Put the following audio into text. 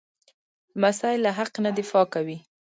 لمسی له حق نه دفاع کوي.